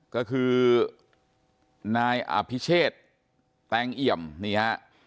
ก็คือนายอภิเชษแตงเอี่ยมนี่ฮะ